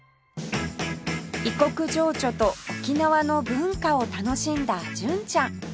異国情緒と沖縄の文化を楽しんだ純ちゃん